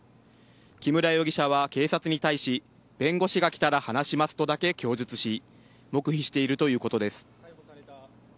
木村容疑者は警察に対し弁護士が来たら話しますとだけ供述し黙秘しているということです。